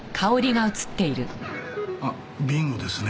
あっビンゴですね。